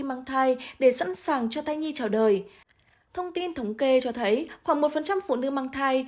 mang thai để sẵn sàng cho thai nhi chào đời thông tin thống kê cho thấy khoảng một phụ nữ mang thai